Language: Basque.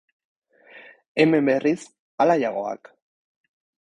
Hemen berriz, alaiagoak.